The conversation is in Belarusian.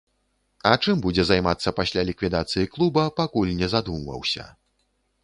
А чым будзе займацца пасля ліквідацыі клуба, пакуль не задумваўся.